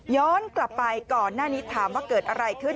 ย้อนกลับไปก่อนหน้านี้ถามว่าเกิดอะไรขึ้น